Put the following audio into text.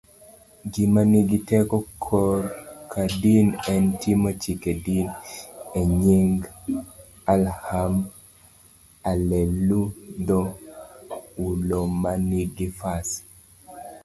gima nigi teko korka din en timo chike din e nyingAllahethuolomaniginafas